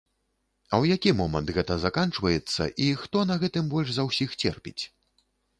А ў які момант гэта заканчваецца і хто на гэтым больш за ўсіх церпіць?